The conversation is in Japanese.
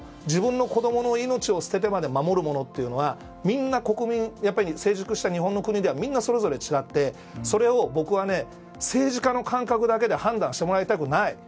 自分の子供の命を捨ててまで守るものというのはみんな国民、成熟した日本の国ではみんな違ってそれを僕は、政治家の感覚だけで判断してもらいたくない。